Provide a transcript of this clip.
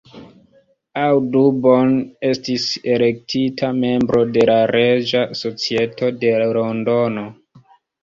Audubon estis elektita membro de la Reĝa Societo de Londono.